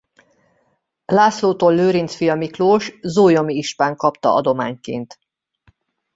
Lászlótól Lőrinc fia Miklós zólyomi ispán kapta adományként.